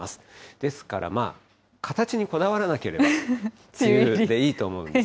ですから、形にこだわらなければ、梅雨でいいと思うんです。